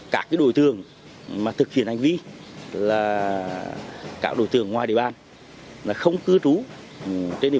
các đối tượng mà thực hiện hành vi là các đối tượng ngoài địa bàn không cư trú trên địa